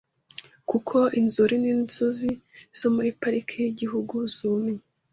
kuko inzuri n’inzuzi zo muri pariki y’igihugu zumye